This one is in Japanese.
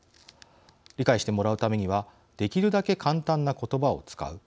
理解してもらうためにはできるだけ簡単な言葉を使う。